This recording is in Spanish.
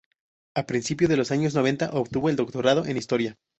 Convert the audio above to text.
A principio de los años Noventa obtuvo el doctorado en historia.